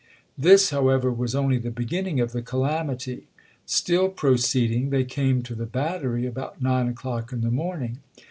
This, how ever, was only the beginning of the calamity. Still proceeding, they came to the battery about nine o'clock in the morning.